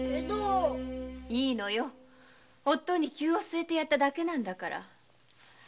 いいのよおっ父に灸をすえてやっただけなんだから。